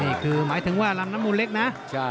นี่คือหมายถึงว่าลำน้ำมูลเล็กนะ